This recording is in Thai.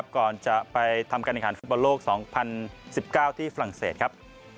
ก่อนจะไปทำการแข่งขันฟุตบอลโลก๒๐๑๙ที่ฝรั่งเศสครับ